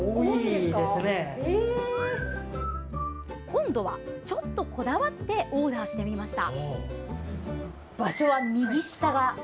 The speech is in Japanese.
今度はちょっとこだわってオーダーしてみました。